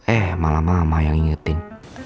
eh malah mama yang ngingetin